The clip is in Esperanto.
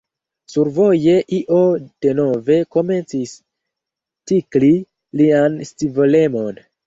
Survoje io denove komencis tikli lian scivolemon.